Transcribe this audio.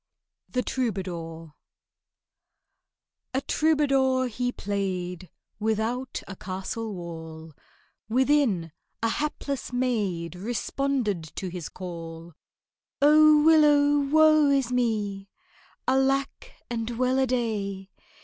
THE TROUBADOUR A TROUBADOUR he played Without a castle wall, Within, a hapless maid Responded to his call. "Oh, willow, woe is me! Alack and well a day!